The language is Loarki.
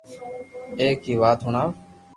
ايڪ ھي وات ھڻاو